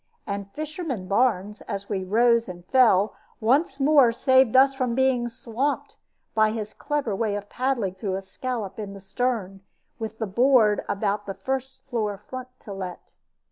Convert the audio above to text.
And fisherman Barnes, as we rose and fell, once more saved us from being "swamped" by his clever way of paddling through a scallop in the stern, with the board about the first floor front to let.